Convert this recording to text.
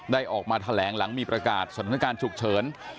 ออกมาแถลงหลังมีประกาศสถานการณ์ฉุกเฉิน